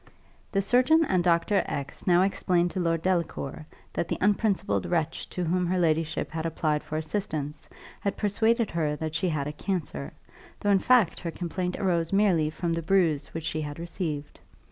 The surgeon and Dr. X now explained to Lord Delacour that the unprincipled wretch to whom her ladyship had applied for assistance had persuaded her that she had a cancer, though in fact her complaint arose merely from the bruise which she had received.